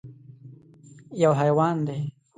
_يو حيوان دی.